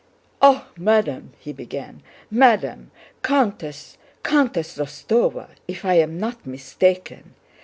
"Ah, madam!" he began. "Madam, Countess... Countess Rostóva, if I am not mistaken...